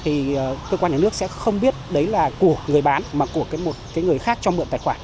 thì cơ quan nhà nước sẽ không biết đấy là của người bán mà của một người khác cho mượn tài khoản